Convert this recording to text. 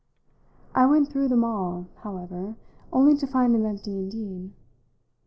I went through them all, however, only to find them empty indeed.